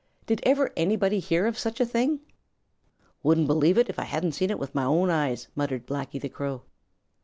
Did ever anybody hear of such a thing before? "Wouldn't believe it, if I hadn't seen it with my own eyes," muttered Blacky the Crow.